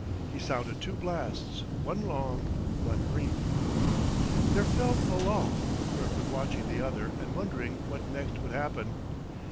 He sounded two blasts, one long, one brief. There fell a lull, Kirkwood watching the other and wondering what next would happen.